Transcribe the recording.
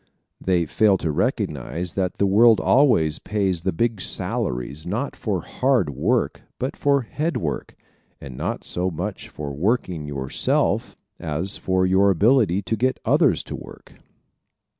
They fail to recognize that the world always pays the big salaries not for hand work but for head work, and not so much for working yourself as for your ability to get others to work.